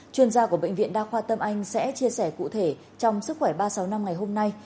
chuyên gia của bệnh viện đa khoa tâm anh sẽ chia sẻ cụ thể trong sức khỏe ba trăm sáu mươi năm ngày hôm nay